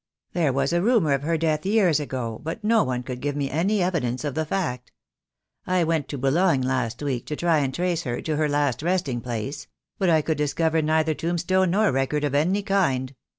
There was a rumour of her death years ago, but no one could give me any evidence of the fact. I went to Boulogne last week to try and trace her to her last resting place; but I could discover neither tombstone nor record of any kind."